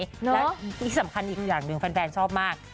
และที่สำคัญอีกอย่างหนึ่งแฟนชอบมาก